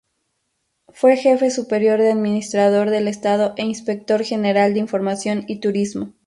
Fue Jefe Superior de Administrador del Estado e Inspector General de Información y Turismo.